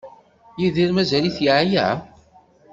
Yidir mazal-it yeɛya?